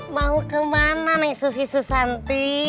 mau kemana nih susi susanti